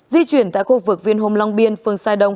di chuyển tại khu vực viên hồm long biên phương sai đông